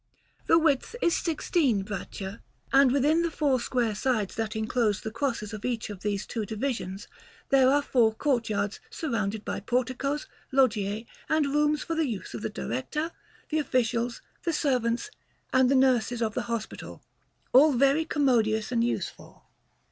The width is 16 braccia, and within the four square sides that enclose the crosses of each of these two divisions there are four courtyards surrounded by porticoes, loggie, and rooms for the use of the director, the officials, the servants, and the nurses of the hospital, all very commodious and useful.